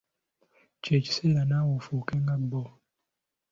Kye kiseera naawe ofuuke nga bo!